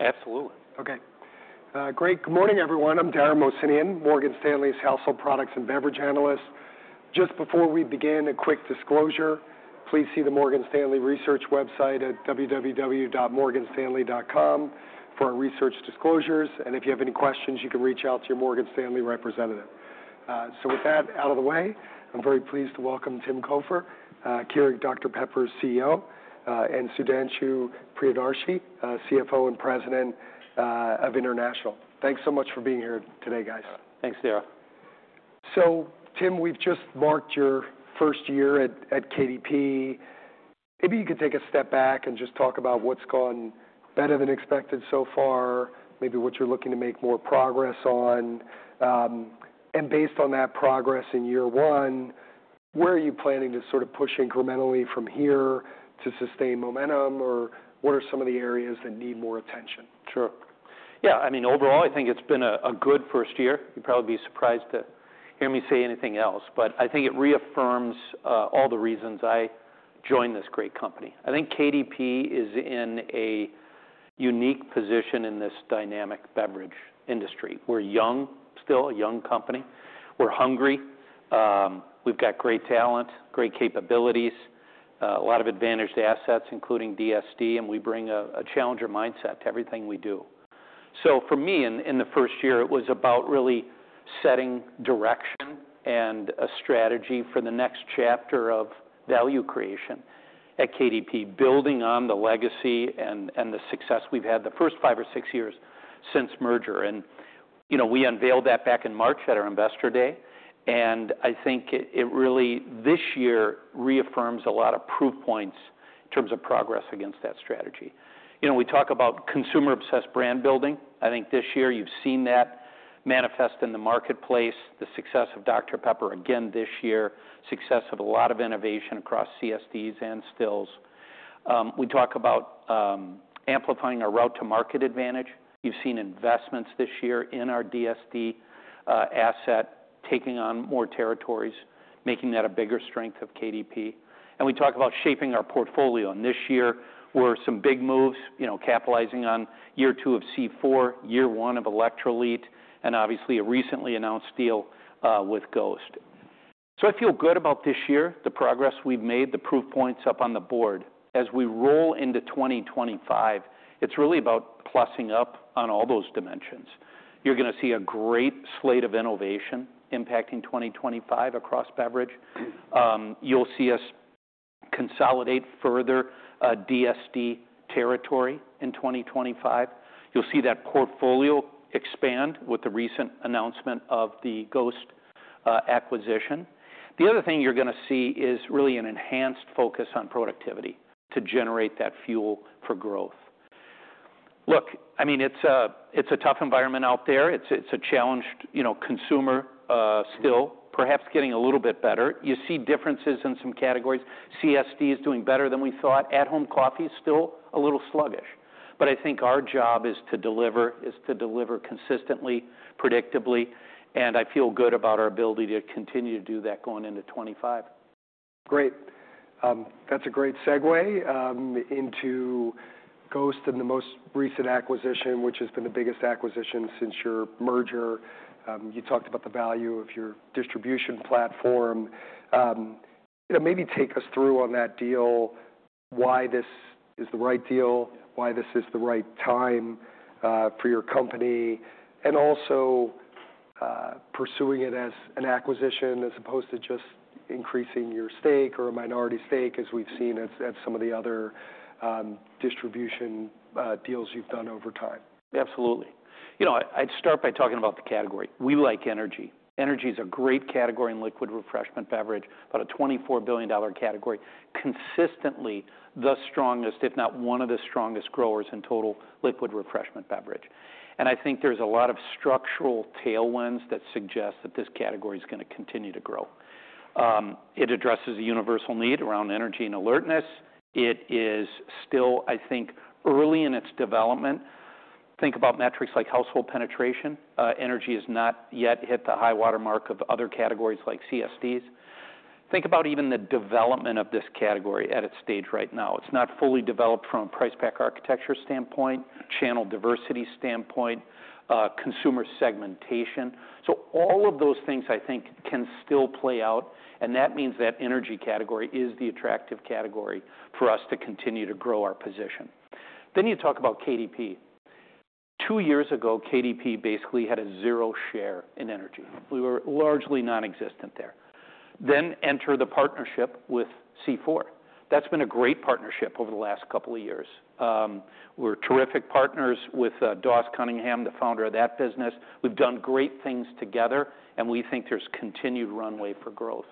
Absolutely. Okay. Great. Good morning, everyone. I'm Dara Mohsenian, Morgan Stanley's household products and beverage analyst. Just before we begin, a quick disclosure. Please see the Morgan Stanley Research website at www.morganstanley.com for our research disclosures, and if you have any questions, you can reach out to your Morgan Stanley representative, so with that out of the way, I'm very pleased to welcome Tim Cofer, Keurig Dr Pepper's CEO, and Sudhanshu Priyadarshi, CFO and President of International. Thanks so much for being here today, guys. Thanks, Dara. Tim, we've just marked your first year at KDP. Maybe you could take a step back and just talk about what's gone better than expected so far, maybe what you're looking to make more progress on. And based on that progress in year one, where are you planning to sort of push incrementally from here to sustain momentum, or what are some of the areas that need more attention? Sure. Yeah. I mean, overall, I think it's been a good first year. You'd probably be surprised to hear me say anything else. But I think it reaffirms all the reasons I joined this great company. I think KDP is in a unique position in this dynamic beverage industry. We're young still, a young company. We're hungry. We've got great talent, great capabilities, a lot of advantaged assets, including DSD, and we bring a challenger mindset to everything we do. So for me, in the first year, it was about really setting direction and a strategy for the next chapter of value creation at KDP, building on the legacy and the success we've had the first five or six years since merger, and we unveiled that back in March at our Investor Day. And I think it really this year reaffirms a lot of proof points in terms of progress against that strategy. We talk about consumer-obsessed brand building. I think this year you've seen that manifest in the marketplace, the success of Dr Pepper again this year, success of a lot of innovation across CSDs and stills. We talk about amplifying our route-to-market advantage. You've seen investments this year in our DSD asset taking on more territories, making that a bigger strength of KDP. And we talk about shaping our portfolio. And this year were some big moves, capitalizing on year two of C4, year one of Electrolit, and obviously a recently announced deal with Ghost. So I feel good about this year, the progress we've made, the proof points up on the board. As we roll into 2025, it's really about plusing up on all those dimensions. You're going to see a great slate of innovation impacting 2025 across beverage. You'll see us consolidate further DSD territory in 2025. You'll see that portfolio expand with the recent announcement of the Ghost acquisition. The other thing you're going to see is really an enhanced focus on productivity to generate that fuel for growth. Look, I mean, it's a tough environment out there. It's a challenged consumer still, perhaps getting a little bit better. You see differences in some categories. CSD is doing better than we thought. At-home coffee is still a little sluggish, but I think our job is to deliver consistently, predictably, and I feel good about our ability to continue to do that going into 2025. Great. That's a great segue into Ghost and the most recent acquisition, which has been the biggest acquisition since your merger. You talked about the value of your distribution platform. Maybe take us through on that deal, why this is the right deal, why this is the right time for your company, and also pursuing it as an acquisition as opposed to just increasing your stake or a minority stake as we've seen at some of the other distribution deals you've done over time. Absolutely. I'd start by talking about the category. We like energy. Energy is a great category in liquid refreshment beverage, about a $24 billion category, consistently the strongest, if not one of the strongest growers in total liquid refreshment beverage. And I think there's a lot of structural tailwinds that suggest that this category is going to continue to grow. It addresses a universal need around energy and alertness. It is still, I think, early in its development. Think about metrics like household penetration. Energy has not yet hit the high watermark of other categories like CSDs. Think about even the development of this category at its stage right now. It's not fully developed from a price pack architecture standpoint, channel diversity standpoint, consumer segmentation. So all of those things, I think, can still play out. And that means that energy category is the attractive category for us to continue to grow our position. Then you talk about KDP. Two years ago, KDP basically had a zero share in energy. We were largely nonexistent there. Then enter the partnership with C4. That's been a great partnership over the last couple of years. We're terrific partners with Doss Cunningham, the founder of that business. We've done great things together, and we think there's continued runway for growth.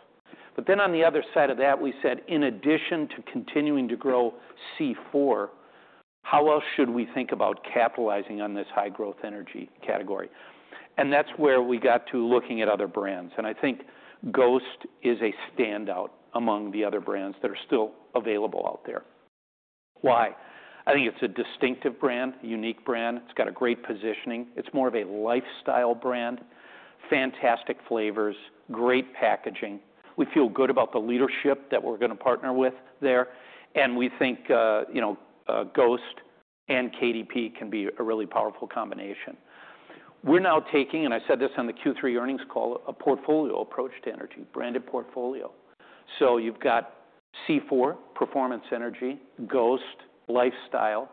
But then on the other side of that, we said, in addition to continuing to grow C4, how else should we think about capitalizing on this high-growth energy category? And that's where we got to looking at other brands. And I think Ghost is a standout among the other brands that are still available out there. Why? I think it's a distinctive brand, unique brand. It's got a great positioning. It's more of a lifestyle brand, fantastic flavors, great packaging. We feel good about the leadership that we're going to partner with there. And we think Ghost and KDP can be a really powerful combination. We're now taking, and I said this on the Q3 earnings call, a portfolio approach to energy, branded portfolio. So you've got C4, performance energy, Ghost, lifestyle.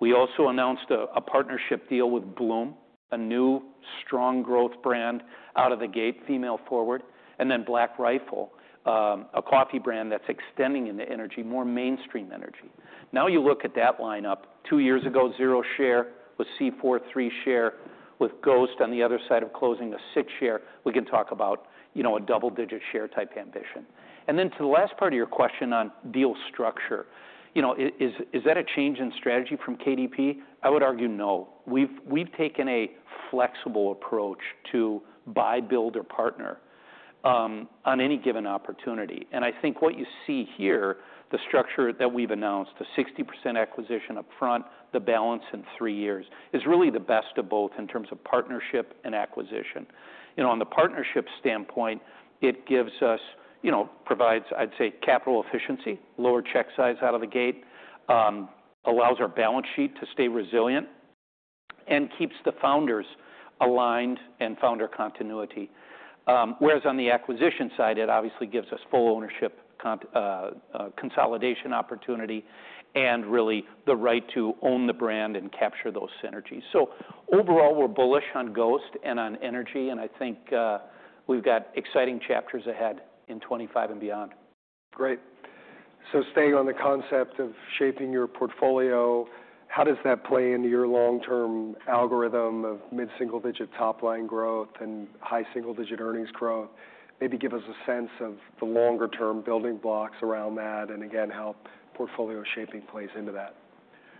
We also announced a partnership deal with Bloom, a new strong growth brand out of the gate, female-forward, and then Black Rifle, a coffee brand that's extending into energy, more mainstream energy. Now you look at that lineup. Two years ago, zero share with C4, three share with Ghost on the other side of closing a six share. We can talk about a double-digit share type ambition. And then to the last part of your question on deal structure, is that a change in strategy from KDP? I would argue no. We've taken a flexible approach to buy, build, or partner on any given opportunity, and I think what you see here, the structure that we've announced, the 60% acquisition upfront, the balance in three years is really the best of both in terms of partnership and acquisition. On the partnership standpoint, it gives us, provides, I'd say, capital efficiency, lower check size out of the gate, allows our balance sheet to stay resilient, and keeps the founders aligned and founder continuity. Whereas on the acquisition side, it obviously gives us full ownership, consolidation opportunity, and really the right to own the brand and capture those synergies, so overall, we're bullish on Ghost and on energy, and I think we've got exciting chapters ahead in 2025 and beyond. Great. So staying on the concept of shaping your portfolio, how does that play into your long-term algorithm of mid-single-digit top-line growth and high single-digit earnings growth? Maybe give us a sense of the longer-term building blocks around that and, again, how portfolio shaping plays into that.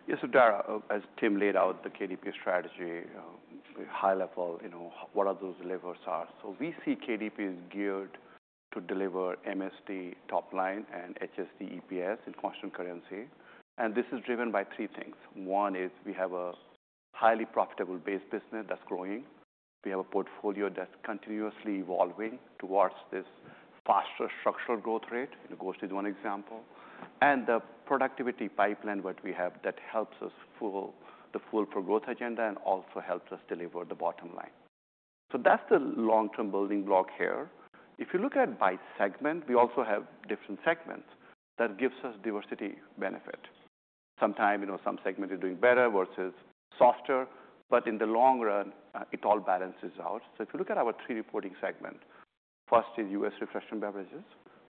Yes. So Dara, as Tim laid out the KDP strategy, high level, what are those levers are? So we see KDP is geared to deliver MSD top-line and HSD EPS in constant currency. And this is driven by three things. One is we have a highly profitable base business that's growing. We have a portfolio that's continuously evolving towards this faster structural growth rate. Ghost is one example. And the productivity pipeline that we have that helps us fulfill the full growth agenda and also helps us deliver the bottom line. So that's the long-term building block here. If you look at by segment, we also have different segments that gives us diversity benefit. Sometimes some segment is doing better versus softer, but in the long run, it all balances out. So if you look at our three reporting segment, first is U.S. refreshment beverages.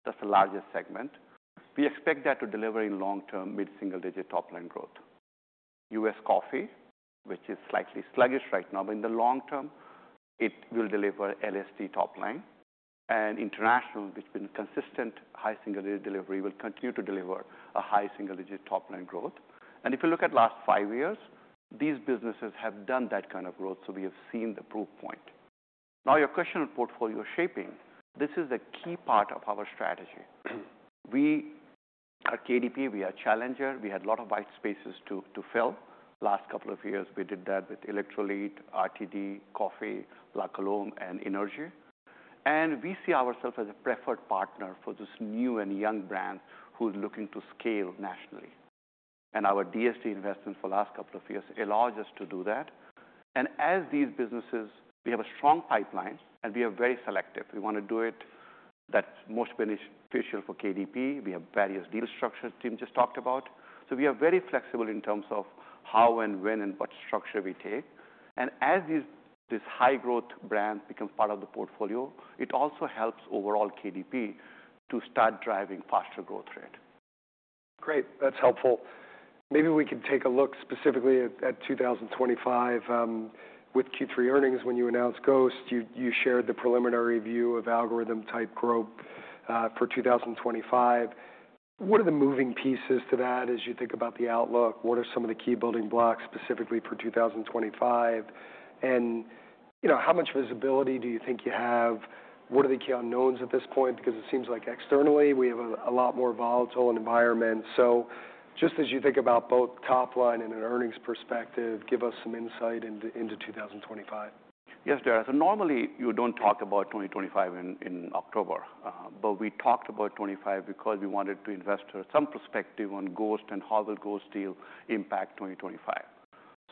That's the largest segment. We expect that to deliver in long-term mid-single-digit top-line growth. U.S. coffee, which is slightly sluggish right now, but in the long term, it will deliver LSD top-line, and international, which has been consistent high single-digit delivery, will continue to deliver a high single-digit top-line growth, and if you look at the last five years, these businesses have done that kind of growth, so we have seen the proof point. Now your question on portfolio shaping, this is a key part of our strategy. We are KDP. We are a challenger. We had a lot of white spaces to fill. Last couple of years, we did that with Electrolit, RTD, coffee, La Colombe, and energy, and we see ourselves as a preferred partner for this new and young brand who's looking to scale nationally, and our DSD investments for the last couple of years allowed us to do that. And as these businesses, we have a strong pipeline, and we are very selective. We want to do it that's most beneficial for KDP. We have various deal structures Tim just talked about. So we are very flexible in terms of how and when and what structure we take. And as this high-growth brand becomes part of the portfolio, it also helps overall KDP to start driving faster growth rate. Great. That's helpful. Maybe we can take a look specifically at 2025. With Q3 earnings, when you announced Ghost, you shared the preliminary view of algorithm-type growth for 2025. What are the moving pieces to that as you think about the outlook? What are some of the key building blocks specifically for 2025? And how much visibility do you think you have? What are the key unknowns at this point? Because it seems like externally, we have a lot more volatile environment. So just as you think about both top-line and an earnings perspective, give us some insight into 2025. Yes, Dara. So normally, you don't talk about 2025 in October, but we talked about '25 because we wanted to provide some perspective on Ghost and how the Ghost deal will impact 2025.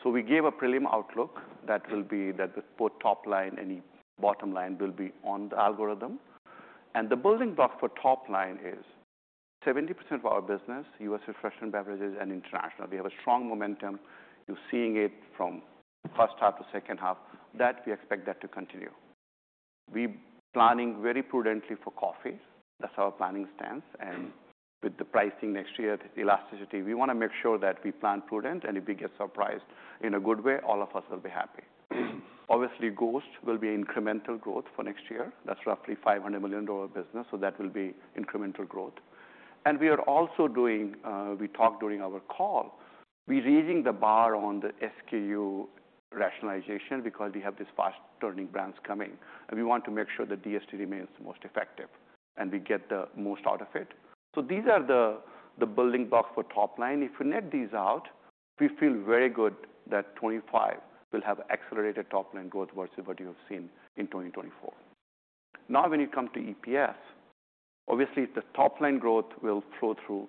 So we gave a prelim outlook that both top-line and bottom-line will be on the algorithm. And the building block for top-line is 70% of our business, U.S. refreshment beverages and international. We have a strong momentum. You're seeing it from first half to second half that we expect that to continue. We're planning very prudently for coffee. That's our planning stance. And with the pricing next year, the elasticity, we want to make sure that we plan prudently, and if we get surprised in a good way, all of us will be happy. Obviously, Ghost will be incremental growth for next year. That's roughly $500 million business, so that will be incremental growth. And we are also doing. We talked during our call. We're raising the bar on the SKU rationalization because we have these fast-turning brands coming. And we want to make sure the DSD remains the most effective and we get the most out of it. So these are the building blocks for top-line. If we net these out, we feel very good that 2025 will have accelerated top-line growth versus what you have seen in 2024. Now, when you come to EPS, obviously, the top-line growth will flow through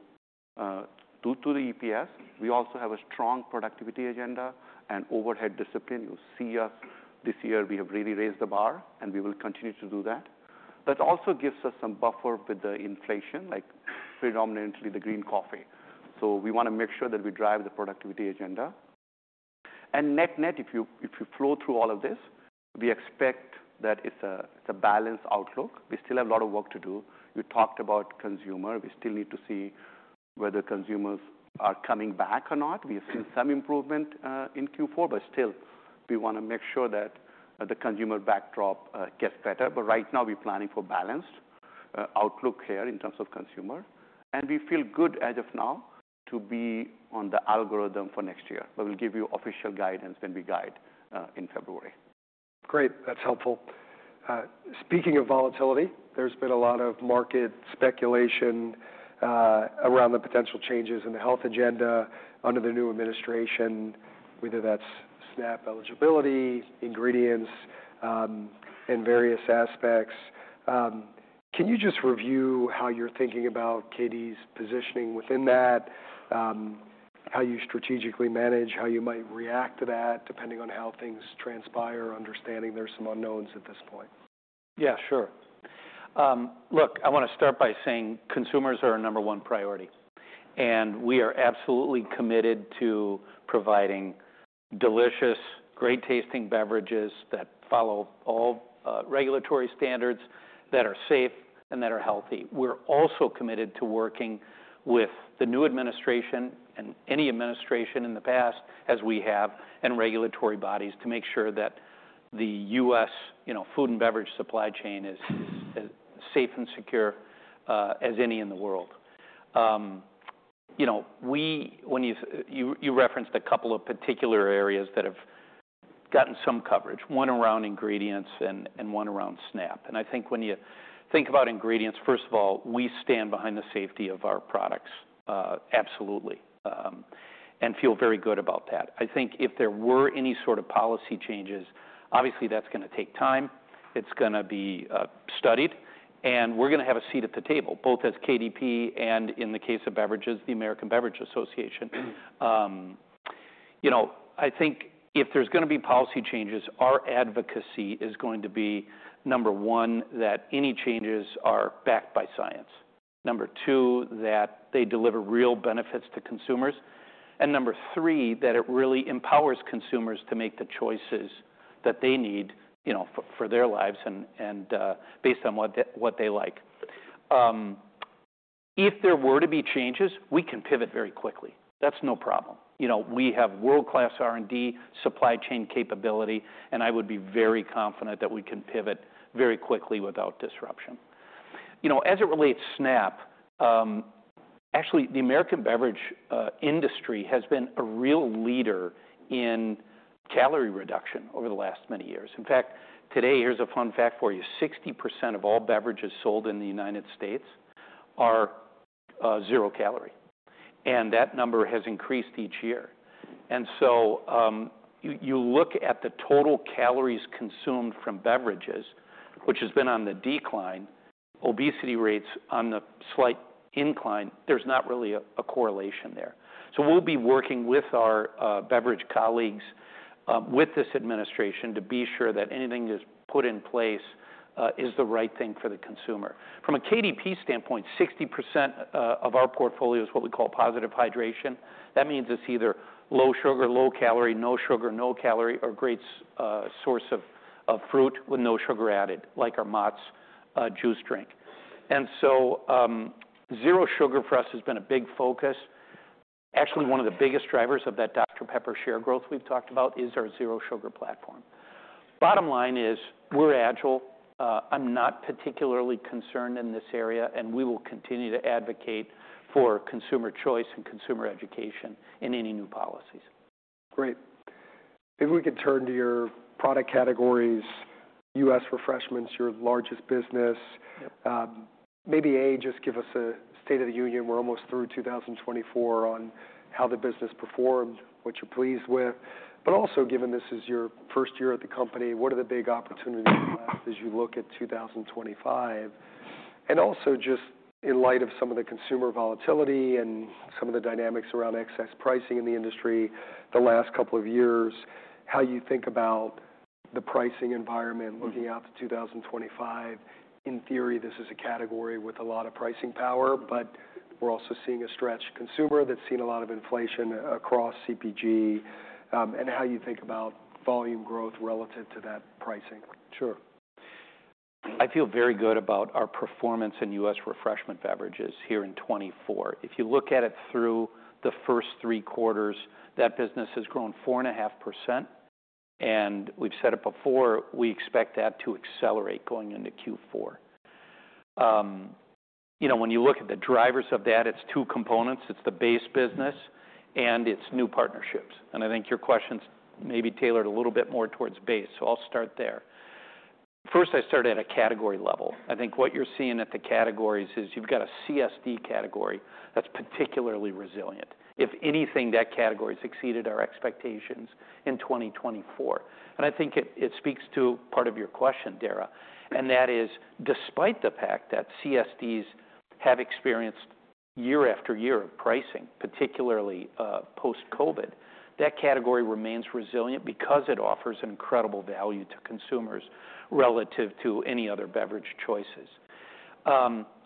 to the EPS. We also have a strong productivity agenda and overhead discipline. You see us this year. We have really raised the bar, and we will continue to do that. That also gives us some buffer with the inflation, like predominantly the green coffee. So we want to make sure that we drive the productivity agenda. And net-net, if you flow through all of this, we expect that it's a balanced outlook. We still have a lot of work to do. You talked about consumer. We still need to see whether consumers are coming back or not. We have seen some improvement in Q4, but still, we want to make sure that the consumer backdrop gets better. But right now, we're planning for a balanced outlook here in terms of consumer. And we feel good as of now to be on the algorithm for next year. But we'll give you official guidance when we guide in February. Great. That's helpful. Speaking of volatility, there's been a lot of market speculation around the potential changes in the health agenda under the new administration, whether that's SNAP eligibility, ingredients, and various aspects. Can you just review how you're thinking about KDP's positioning within that, how you strategically manage, how you might react to that depending on how things transpire, understanding there's some unknowns at this point? Yeah, sure. Look, I want to start by saying consumers are our number one priority. And we are absolutely committed to providing delicious, great-tasting beverages that follow all regulatory standards, that are safe, and that are healthy. We're also committed to working with the new administration and any administration in the past, as we have, and regulatory bodies to make sure that the U.S. food and beverage supply chain is as safe and secure as any in the world. You referenced a couple of particular areas that have gotten some coverage, one around ingredients and one around SNAP. And I think when you think about ingredients, first of all, we stand behind the safety of our products, absolutely, and feel very good about that. I think if there were any sort of policy changes, obviously, that's going to take time. It's going to be studied. And we're going to have a seat at the table, both as KDP and in the case of beverages, the American Beverage Association. I think if there's going to be policy changes, our advocacy is going to be, number one, that any changes are backed by science, number two, that they deliver real benefits to consumers, and number three, that it really empowers consumers to make the choices that they need for their lives and based on what they like. If there were to be changes, we can pivot very quickly. That's no problem. We have world-class R&D, supply chain capability, and I would be very confident that we can pivot very quickly without disruption. As it relates to SNAP, actually, the American beverage industry has been a real leader in calorie reduction over the last many years. In fact, today, here's a fun fact for you. 60% of all beverages sold in the United States are zero-calorie, and that number has increased each year. You look at the total calories consumed from beverages, which has been on the decline. Obesity rates are on the slight incline. There's not really a correlation there. We'll be working with our beverage colleagues with this administration to be sure that anything that's put in place is the right thing for the consumer. From a KDP standpoint, 60% of our portfolio is what we call positive hydration. That means it's either low sugar, low calorie, no sugar, no calorie, or great source of fruit with no sugar added, like our Mott's juice drink. Zero sugar for us has been a big focus. Actually, one of the biggest drivers of that Dr Pepper share growth we've talked about is our zero-sugar platform. Bottom line is we're agile. I'm not particularly concerned in this area, and we will continue to advocate for consumer choice and consumer education in any new policies. Great. If we could turn to your product categories, U.S. refreshments, your largest business, maybe a, just give us a state of the union. We're almost through 2024 on how the business performed, what you're pleased with. But also, given this is your first year at the company, what are the big opportunities as you look at 2025? And also just in light of some of the consumer volatility and some of the dynamics around excess pricing in the industry the last couple of years, how you think about the pricing environment looking out to 2025? In theory, this is a category with a lot of pricing power, but we're also seeing a stretched consumer that's seen a lot of inflation across CPG. And how you think about volume growth relative to that pricing? Sure. I feel very good about our performance in U.S. refreshment beverages here in 2024. If you look at it through the first three quarters, that business has grown 4.5%. And we've said it before, we expect that to accelerate going into Q4. When you look at the drivers of that, it's two components. It's the base business, and it's new partnerships. And I think your question's maybe tailored a little bit more towards base. So I'll start there. First, I started at a category level. I think what you're seeing at the categories is you've got a CSD category that's particularly resilient. If anything, that category has exceeded our expectations in 2024. And I think it speaks to part of your question, Dara, and that is despite the fact that CSDs have experienced year after year of pricing, particularly post-COVID, that category remains resilient because it offers incredible value to consumers relative to any other beverage choices.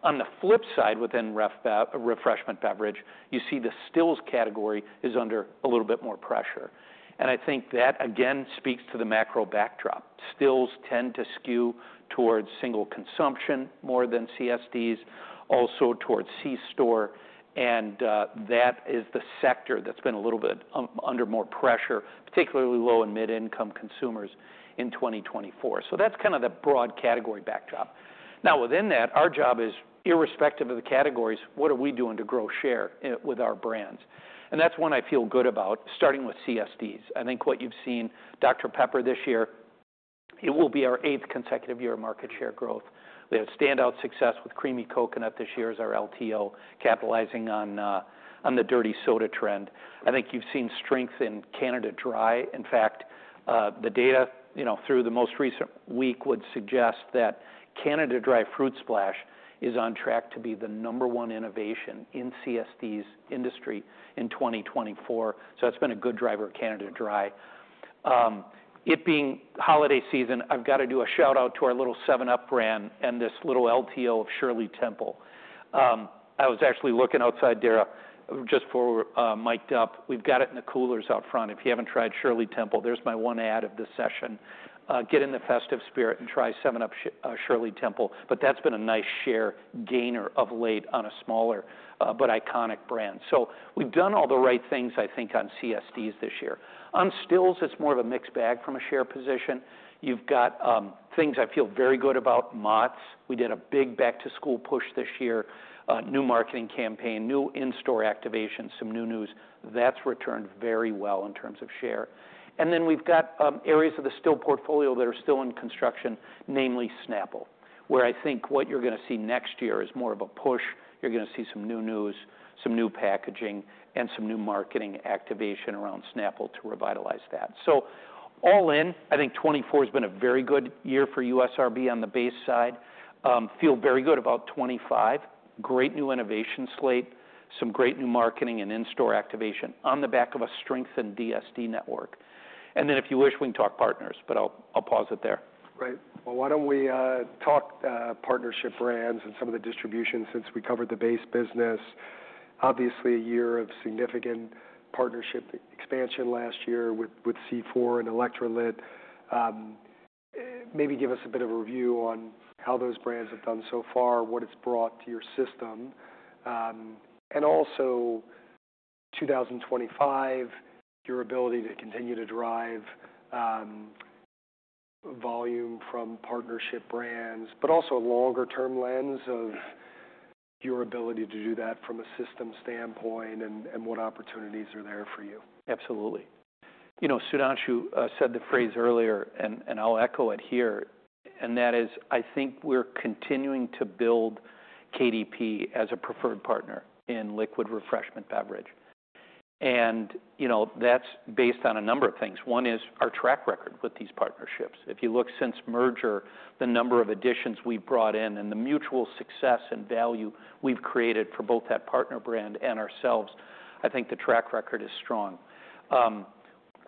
On the flip side, within refreshment beverage, you see the stills category is under a little bit more pressure. And I think that, again, speaks to the macro backdrop. Stills tend to skew towards single consumption more than CSDs, also towards C-store. And that is the sector that's been a little bit under more pressure, particularly low and mid-income consumers in 2024. So that's kind of the broad category backdrop. Now, within that, our job is, irrespective of the categories, what are we doing to grow share with our brands? And that's one I feel good about, starting with CSDs. I think what you've seen, Dr Pepper, this year, it will be our eighth consecutive year of market share growth. We have standout success with creamy coconut this year as our LTO, capitalizing on the dirty soda trend. I think you've seen strength in Canada Dry. In fact, the data through the most recent week would suggest that Canada Dry Fruit Splash is on track to be the number one innovation in CSDs industry in 2024. So that's been a good driver of Canada Dry. It being holiday season, I've got to do a shout-out to our little 7UP brand and this little LTO of Shirley Temple. I was actually looking outside, Dara, just before we're mic'd up. We've got it in the coolers out front. If you haven't tried Shirley Temple, there's my one ad of this session. Get in the festive spirit and try 7UP Shirley Temple. But that's been a nice share gainer of late on a smaller but iconic brand. So we've done all the right things, I think, on CSDs this year. On stills, it's more of a mixed bag from a share position. You've got things I feel very good about, Mott's. We did a big back-to-school push this year, new marketing campaign, new in-store activation, some new news. That's returned very well in terms of share. And then we've got areas of the still portfolio that are still in construction, namely Snapple, where I think what you're going to see next year is more of a push. You're going to see some new news, some new packaging, and some new marketing activation around Snapple to revitalize that. So all in, I think 2024 has been a very good year for USRB on the base side. Feel very good about 2025. Great new innovation slate, some great new marketing and in-store activation on the back of a strengthened DSD network, and then if you wish, we can talk partners, but I'll pause it there. Right. Well, why don't we talk partnership brands and some of the distribution since we covered the base business? Obviously, a year of significant partnership expansion last year with C4 and Electrolit. Maybe give us a bit of a review on how those brands have done so far, what it's brought to your system, and also 2025, your ability to continue to drive volume from partnership brands, but also a longer-term lens of your ability to do that from a system standpoint and what opportunities are there for you. Absolutely. Sudhanshu said the phrase earlier, and I'll echo it here, and that is, I think we're continuing to build KDP as a preferred partner in liquid refreshment beverage. And that's based on a number of things. One is our track record with these partnerships. If you look since merger, the number of additions we've brought in and the mutual success and value we've created for both that partner brand and ourselves, I think the track record is strong.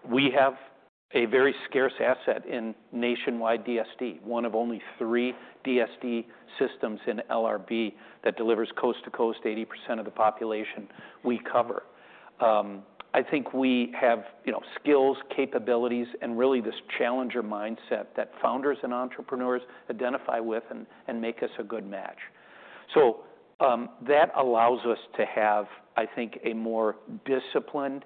We have a very scarce asset in nationwide DSD, one of only three DSD systems in LRB that delivers coast-to-coast 80% of the population we cover. I think we have skills, capabilities, and really this challenger mindset that founders and entrepreneurs identify with and make us a good match. That allows us to have, I think, a more disciplined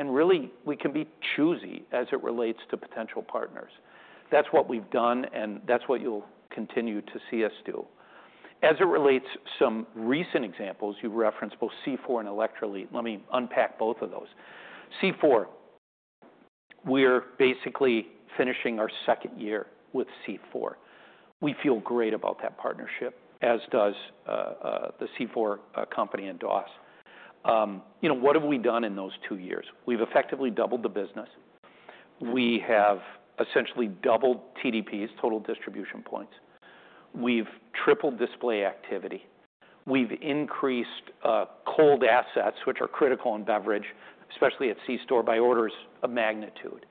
and really we can be choosy as it relates to potential partners. That's what we've done, and that's what you'll continue to see us do. As it relates to some recent examples, you've referenced both C4 and Electrolit. Let me unpack both of those. C4, we're basically finishing our second year with C4. We feel great about that partnership, as does the C4 company and Doss. What have we done in those two years? We've effectively doubled the business. We have essentially doubled TDPs, total distribution points. We've tripled display activity. We've increased cold assets, which are critical in beverage, especially at C-store by orders of magnitude.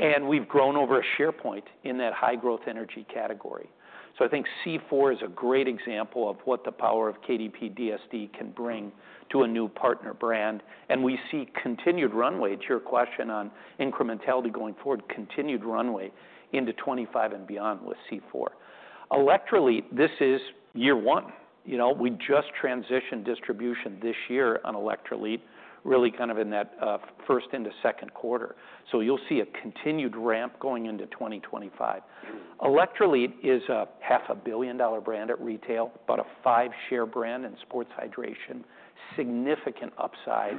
And we've grown over a share point in that high-growth energy category. So I think C4 is a great example of what the power of KDP DSD can bring to a new partner brand. And we see continued runway to your question on incrementality going forward, continued runway into 2025 and beyond with C4. Electrolit, this is year one. We just transitioned distribution this year on Electrolit, really kind of in that first into second quarter. So you'll see a continued ramp going into 2025. Electrolit is a $500 million brand at retail, about a five-share brand in sports hydration, significant upside.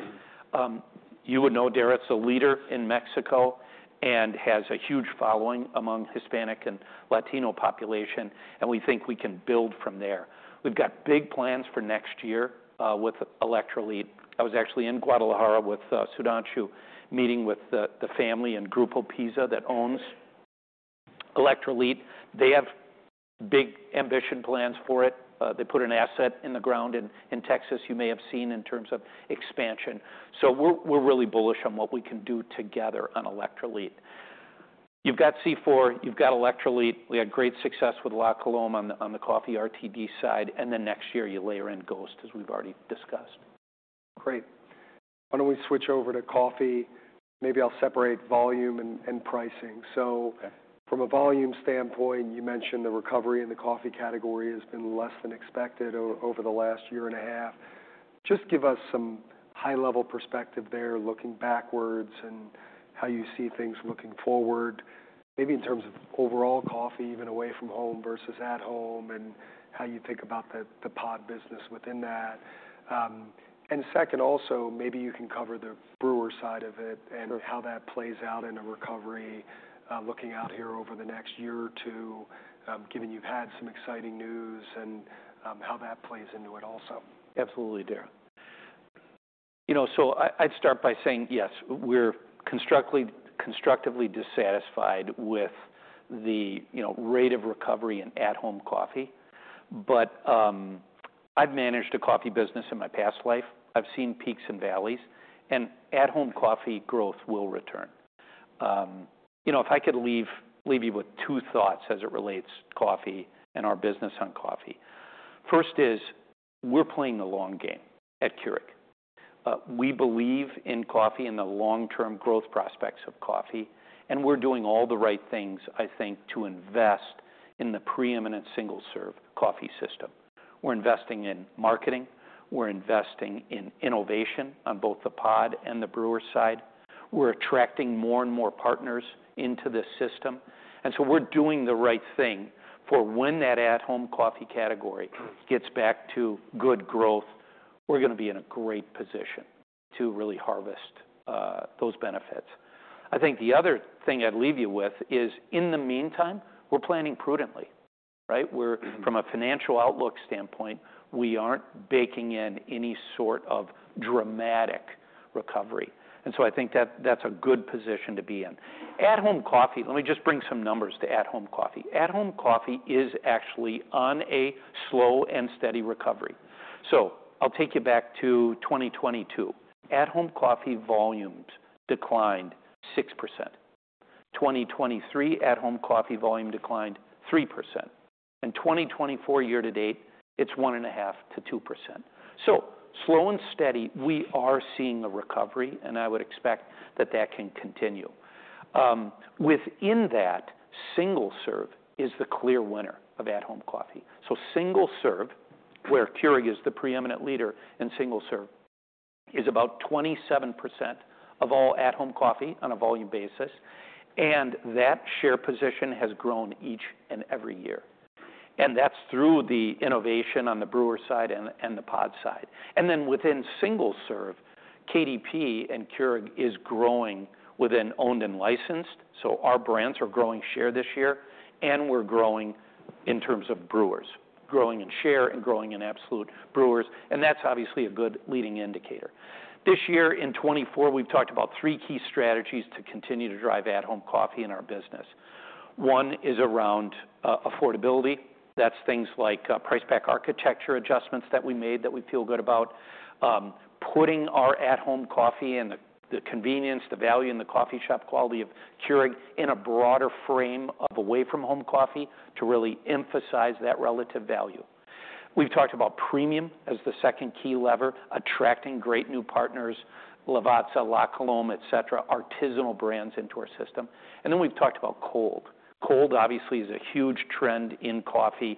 You would know, Dara, it's a leader in Mexico and has a huge following among Hispanic and Latino population. And we think we can build from there. We've got big plans for next year with Electrolit. I was actually in Guadalajara with Sudhanshu meeting with the family and Grupo PiSA that owns Electrolit. They have big ambitious plans for it. They put an asset in the ground in Texas, you may have seen, in terms of expansion. So we're really bullish on what we can do together on Electrolit. You've got C4. You've got Electrolit. We had great success with La Colombe on the coffee RTD side. And then next year, you layer in Ghost, as we've already discussed. Great. Why don't we switch over to coffee? Maybe I'll separate volume and pricing. So from a volume standpoint, you mentioned the recovery in the coffee category has been less than expected over the last year and a half. Just give us some high-level perspective there, looking backwards and how you see things looking forward, maybe in terms of overall coffee, even away from home versus at home, and how you think about the pod business within that. And second, also, maybe you can cover the brewer side of it and how that plays out in a recovery, looking out here over the next year or two, given you've had some exciting news and how that plays into it also? Absolutely, Dara. So I'd start by saying, yes, we're constructively dissatisfied with the rate of recovery in at-home coffee. But I've managed a coffee business in my past life. I've seen peaks and valleys, and at-home coffee growth will return. If I could leave you with two thoughts as it relates to coffee and our business on coffee. First is we're playing the long game at Keurig. We believe in coffee and the long-term growth prospects of coffee, and we're doing all the right things, I think, to invest in the preeminent single-serve coffee system. We're investing in marketing. We're investing in innovation on both the pod and the brewer side. We're attracting more and more partners into this system. And so we're doing the right thing for when that at-home coffee category gets back to good growth, we're going to be in a great position to really harvest those benefits. I think the other thing I'd leave you with is in the meantime, we're planning prudently, right? From a financial outlook standpoint, we aren't baking in any sort of dramatic recovery. And so I think that's a good position to be in. At-home coffee, let me just bring some numbers to at-home coffee. At-home coffee is actually on a slow and steady recovery. So I'll take you back to 2022. At-home coffee volumes declined 6%. 2023, at-home coffee volume declined 3%. And 2024, year to date, it's 1.5% to 2%. So slow and steady, we are seeing a recovery, and I would expect that that can continue. Within that, single serve is the clear winner of at-home coffee. Single serve, where Keurig is the preeminent leader in single serve, is about 27% of all at-home coffee on a volume basis. And that share position has grown each and every year. And that's through the innovation on the brewer side and the pod side. And then within single serve, KDP and Keurig is growing within owned and licensed. So our brands are growing share this year. And we're growing in terms of brewers, growing in share and growing in absolute brewers. And that's obviously a good leading indicator. This year, in 2024, we've talked about three key strategies to continue to drive at-home coffee in our business. One is around affordability. That's things like price-pack architecture adjustments that we made that we feel good about, putting our at-home coffee and the convenience, the value in the coffee shop quality of Keurig in a broader frame of away-from-home coffee to really emphasize that relative value. We've talked about premium as the second key lever, attracting great new partners, Lavazza, La Colombe, etc., artisanal brands into our system. And then we've talked about cold. Cold, obviously, is a huge trend in coffee.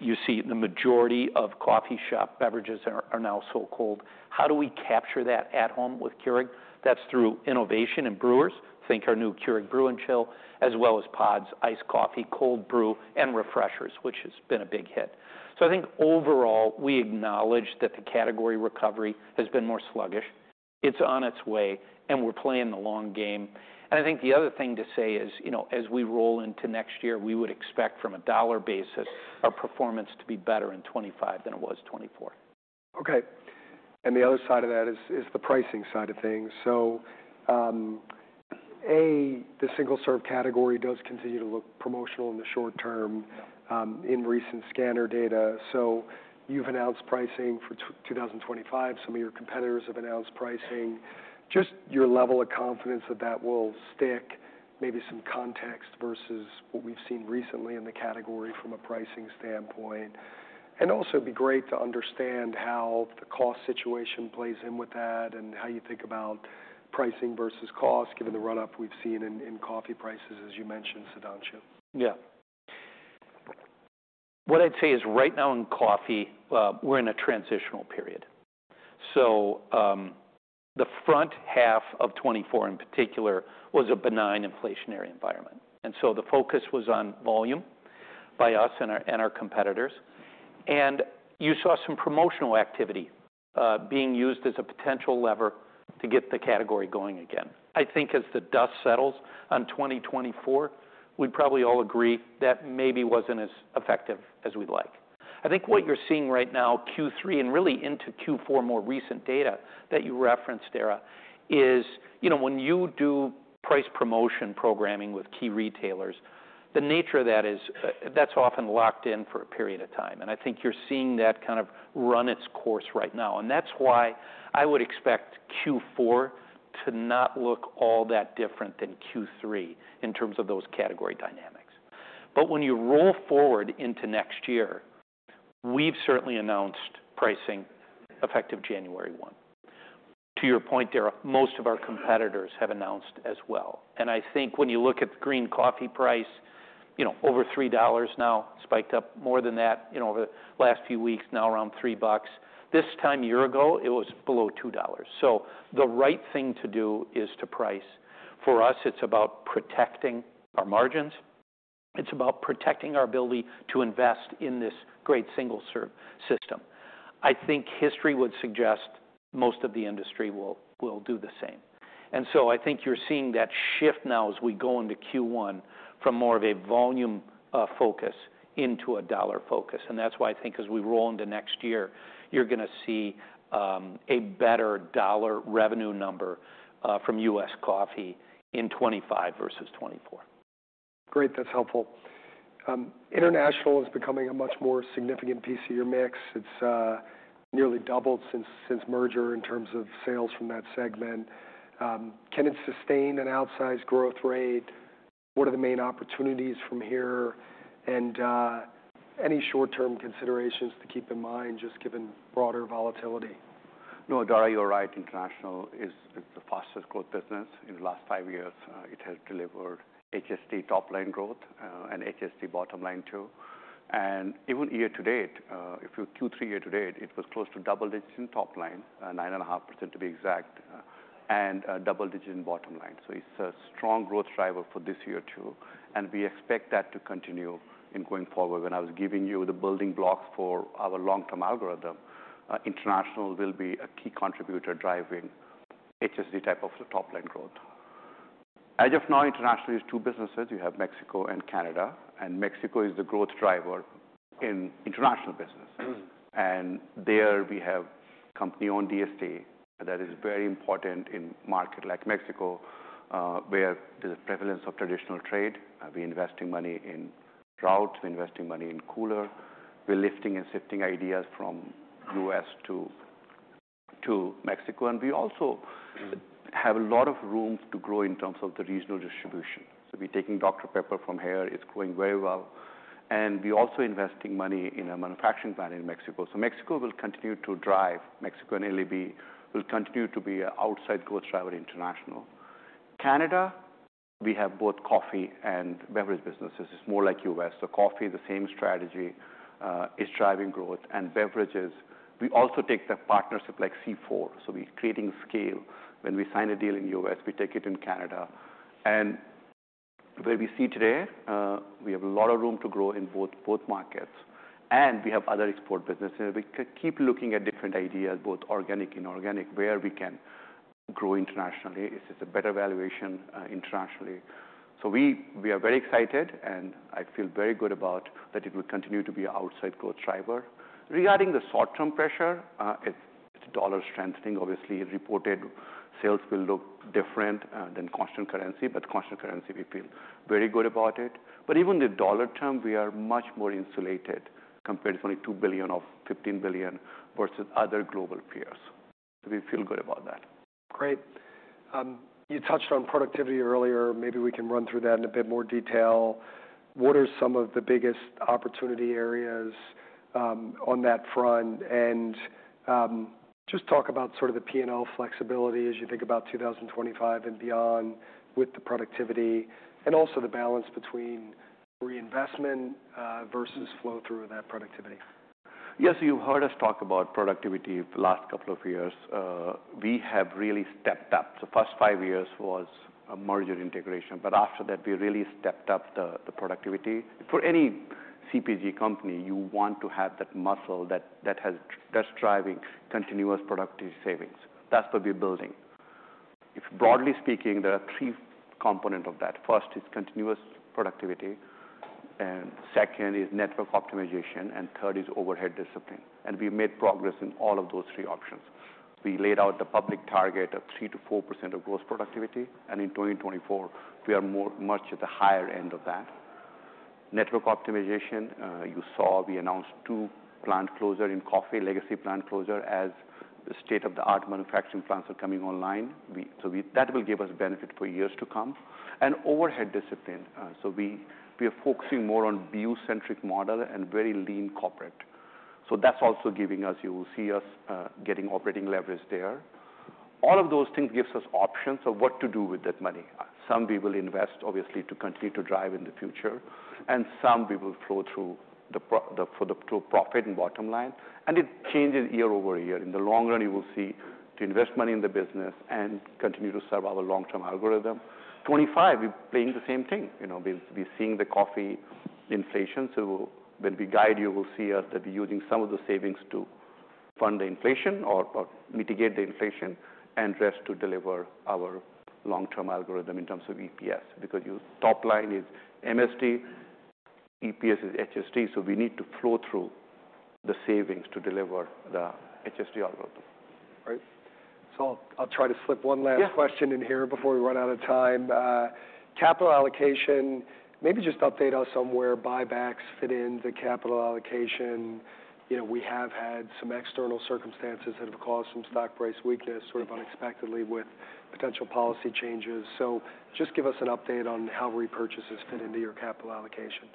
You see the majority of coffee shop beverages are now so cold. How do we capture that at home with Keurig? That's through innovation and brewers. Think of our new Keurig K-Brew+Chill, as well as pods, iced coffee, cold brew, and refreshers, which has been a big hit. So I think overall, we acknowledge that the category recovery has been more sluggish. It's on its way, and we're playing the long game. And I think the other thing to say is, as we roll into next year, we would expect from a dollar basis our performance to be better in 2025 than it was 2024. Okay. And the other side of that is the pricing side of things. So A, the single-serve category does continue to look promotional in the short term in recent scanner data. So you've announced pricing for 2025. Some of your competitors have announced pricing. Just your level of confidence that that will stick, maybe some context versus what we've seen recently in the category from a pricing standpoint. And also it'd be great to understand how the cost situation plays in with that and how you think about pricing versus cost, given the run-up we've seen in coffee prices, as you mentioned, Sudhanshu. Yeah. What I'd say is right now in coffee, we're in a transitional period. So the front half of 2024 in particular was a benign inflationary environment. And so the focus was on volume by us and our competitors. And you saw some promotional activity being used as a potential lever to get the category going again. I think as the dust settles on 2024, we'd probably all agree that maybe wasn't as effective as we'd like. I think what you're seeing right now, Q3 and really into Q4, more recent data that you referenced, Dara, is when you do price promotion programming with key retailers, the nature of that is that's often locked in for a period of time. And I think you're seeing that kind of run its course right now. That's why I would expect Q4 to not look all that different than Q3 in terms of those category dynamics. When you roll forward into next year, we've certainly announced pricing effective January 1. To your point, Dara, most of our competitors have announced as well. I think when you look at the green coffee price, over $3 now, spiked up more than that over the last few weeks, now around $3. This time a year ago, it was below $2. The right thing to do is to price. For us, it's about protecting our margins. It's about protecting our ability to invest in this great single-serve system. I think history would suggest most of the industry will do the same. So I think you're seeing that shift now as we go into Q1 from more of a volume focus into a dollar focus. That's why I think as we roll into next year, you're going to see a better dollar revenue number from U.S. coffee in 2025 versus 2024. Great. That's helpful. International is becoming a much more significant piece of your mix. It's nearly doubled since merger in terms of sales from that segment. Can it sustain an outsized growth rate? What are the main opportunities from here? And any short-term considerations to keep in mind just given broader volatility? No, Dara, you're right. International is the fastest growth business in the last five years. It has delivered HSD top-line growth and HSD bottom-line too, and even year to date, if you Q3 year to date, it was close to double-digit in top-line, 9.5% to be exact, and double-digit in bottom-line, so it's a strong growth driver for this year too, and we expect that to continue in going forward. When I was giving you the building blocks for our long-term algorithm, international will be a key contributor driving HSD type of top-line growth. As of now, international is two businesses. You have Mexico and Canada, and Mexico is the growth driver in international business, and there we have company-owned DSD that is very important in markets like Mexico, where there's a prevalence of traditional trade. We're investing money in routes. We're investing money in cooler. We're lifting and shifting ideas from U.S. to Mexico. And we also have a lot of room to grow in terms of the regional distribution. So we're taking Dr Pepper from here. It's growing very well. And we're also investing money in a manufacturing plant in Mexico. So Mexico will continue to drive. Mexico and LRB will continue to be an outside growth driver in international. Canada, we have both coffee and beverage businesses. It's more like U.S. So coffee, the same strategy, is driving growth. And beverages, we also take the partnership like C4. So we're creating scale. When we sign a deal in U.S., we take it in Canada. And where we see today, we have a lot of room to grow in both markets. And we have other export businesses. We keep looking at different ideas, both organic, inorganic, where we can grow internationally. It's a better valuation internationally, so we are very excited, and I feel very good about that it will continue to be an outsize growth driver. Regarding the short-term pressure, it's dollar strengthening, obviously. Reported sales will look different than constant currency, but constant currency, we feel very good about it, but even the dollar term, we are much more insulated compared to only $2 billion of $15 billion versus other global peers, so we feel good about that. Great. You touched on productivity earlier. Maybe we can run through that in a bit more detail. What are some of the biggest opportunity areas on that front? And just talk about sort of the P&L flexibility as you think about 2025 and beyond with the productivity and also the balance between reinvestment versus flow-through of that productivity. Yes. You've heard us talk about productivity for the last couple of years. We have really stepped up. The first five years was merger integration. But after that, we really stepped up the productivity. For any CPG company, you want to have that muscle that's driving continuous productivity savings. That's what we're building. Broadly speaking, there are three components of that. First is continuous productivity. And second is network optimization. And third is overhead discipline. And we made progress in all of those three options. We laid out the public target of 3% to 4% of gross productivity. And in 2024, we are much at the higher end of that. Network optimization, you saw we announced two plant closures in coffee, legacy plant closures as state-of-the-art manufacturing plants are coming online. So that will give us benefit for years to come. And overhead discipline. So we are focusing more on BU-centric model and very lean corporate. So that's also giving us. You will see us getting operating leverage there. All of those things give us options of what to do with that money. Some we will invest, obviously, to continue to drive in the future. And some we will flow through for the true profit and bottom line. And it changes year over year. In the long run, you will see to invest money in the business and continue to serve our long-term algorithm. 2025, we're playing the same thing. We're seeing the coffee inflation. So when we guide you, you will see us that we're using some of the savings to fund the inflation or mitigate the inflation and rest to deliver our long-term algorithm in terms of EPS. Because your top line is MSD, EPS is HSD. We need to flow through the savings to deliver the HSD algorithm. Right. So I'll try to slip one last question in here before we run out of time. Capital allocation, maybe just update us on where buybacks fit in the capital allocation. We have had some external circumstances that have caused some stock price weakness sort of unexpectedly with potential policy changes. So just give us an update on how repurchases fit into your capital allocation.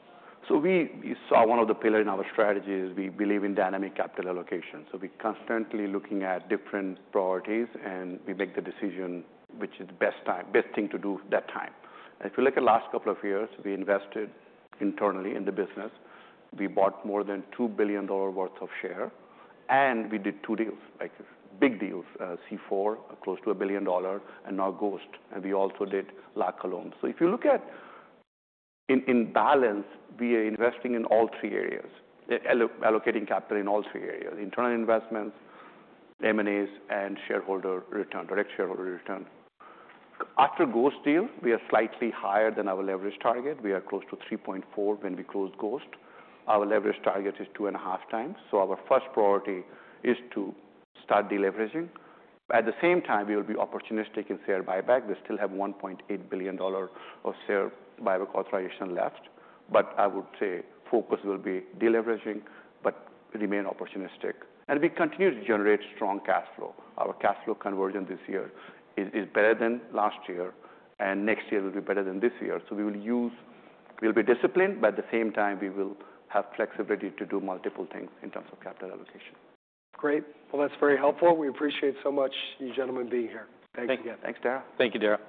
So we saw one of the pillars in our strategy is we believe in dynamic capital allocation. So we're constantly looking at different priorities, and we make the decision which is the best thing to do that time. If you look at the last couple of years, we invested internally in the business. We bought more than $2 billion worth of shares. And we did two deals, big deals, C4, close to $1 billion, and now Ghost. And we also did La Colombe. So if you look at in balance, we are investing in all three areas, allocating capital in all three areas, internal investments, M&As, and shareholder return, direct shareholder return. After Ghost deal, we are slightly higher than our leverage target. We are close to 3.4 when we closed Ghost. Our leverage target is 2.5 times. So our first priority is to start deleveraging. At the same time, we will be opportunistic in share buyback. We still have $1.8 billion of share buyback authorization left, but I would say focus will be deleveraging, but remain opportunistic, and we continue to generate strong cash flow. Our cash flow conversion this year is better than last year, and next year will be better than this year, so we will use we'll be disciplined, but at the same time, we will have flexibility to do multiple things in terms of capital allocation. Great. Well, that's very helpful. We appreciate so much you gentlemen being here. Thanks again. Thanks, Dara. Thank you, Dara.